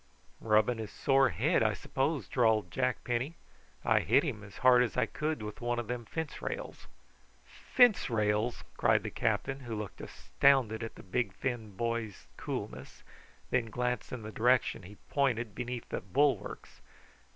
"Rubbing his sore head, I s'pose," drawled Jack Penny. "I hit him as hard as I could with one o' them fence rails." "Fence rails!" cried the captain, who looked astounded at the big thin boy's coolness, and then glanced in the direction he pointed beneath the bulwarks.